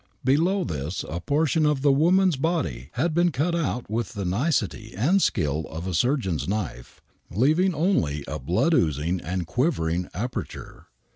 Below this a portion of the woman's body had been cut out with the nicety and skill of a surgeon's knife, leaving only a blood oozing and quivering aperture.